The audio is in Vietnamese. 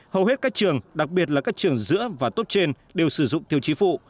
hầu hết các trường đặc biệt là các trường giữa và tốt trên đều sử dụng tiêu chí phụ